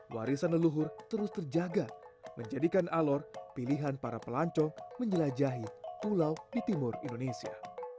warisan leluhur terus terjaga menjadikan alor pilihan para pelancong menjelajahi pulau di timur indonesia